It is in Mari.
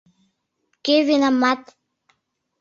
КӦ ВИНАМАТ?